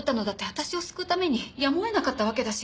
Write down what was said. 私を救うためにやむをえなかったわけだし。